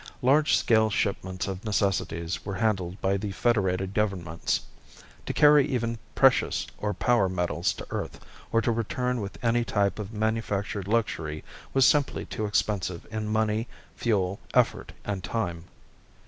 Large scale shipments of necessities were handled by the Federated Governments. To carry even precious or power metals to Earth or to return with any type of manufactured luxury was simply too expensive in money, fuel, effort, and time.